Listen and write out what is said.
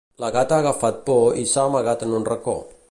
La gata ha agafat por i s'ha amagat en un racó.